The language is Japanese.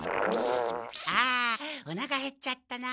あおなかへっちゃったな。